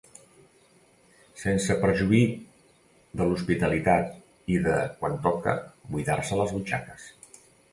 Sense perjuí de l'hospitalitat i de, quan toca, buidar-se les butxaques.